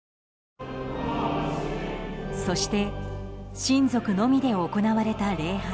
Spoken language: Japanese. そして親族のみで行われた礼拝。